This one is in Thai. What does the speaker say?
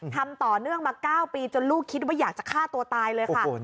ทำต่อเนื่องมา๙ปีจนลูกคิดว่าอยากจะฆ่าตัวตายเลยค่ะ